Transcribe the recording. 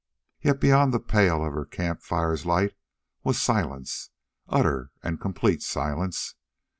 Yet all beyond the pale of her camp fire's light was silence, utter and complete silence.